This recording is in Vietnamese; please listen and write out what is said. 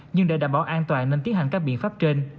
nhưng để đảm bảo an toàn nên tiến hành các biện pháp trên